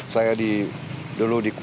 saya dulu di kupu